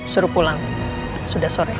suruh pulang sudah sore